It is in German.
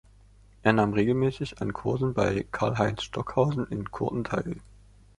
Er nahm regelmäßig an Kursen bei Karlheinz Stockhausen in Kürten teil.